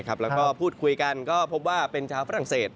แล้วก็พูดคุยกันก็พบว่าเป็นชาวฝรั่งเศส